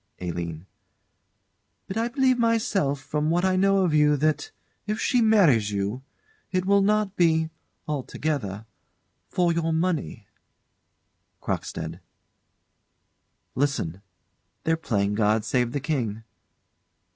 ALINE. But I believe myself from what I know of you both that if she marries you it will not be altogether for your money. CROCKSTEAD. Listen they're playing "God Save the King."